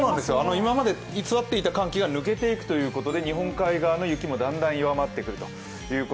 今まで居座っていた寒気が抜けていくということで、日本海側の雪もだんだん弱まっていくと。